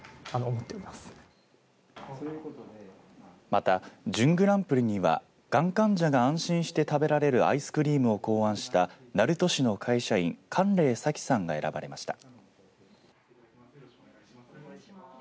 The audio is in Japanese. また準グランプリにはがん患者が安心して食べられるアイスクリームを考案した鳴門市の会社員、神例早紀さんが選ばれました。